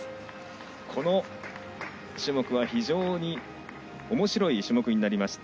この種目は非常におもしろい種目となりました。